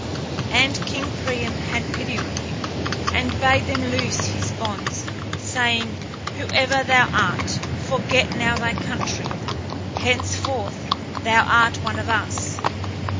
And King Priam had pity on him, and bade them loose his bonds, saying, "Whoever thou art, forget now thy country. Henceforth thou art one of us.